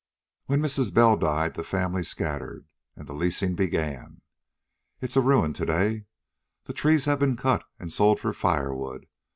When Mrs. Bell died, the family scattered, and the leasing began. It's a ruin to day. The trees have been cut and sold for firewood.